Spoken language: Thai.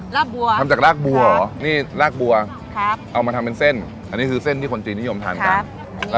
รากบัวทำจากรากบัวเหรอนี่รากบัวครับเอามาทำเป็นเส้นอันนี้คือเส้นที่คนจีนนิยมทานกัน